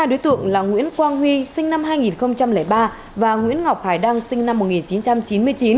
hai đối tượng là nguyễn quang huy sinh năm hai nghìn ba và nguyễn ngọc hải đăng sinh năm một nghìn chín trăm chín mươi chín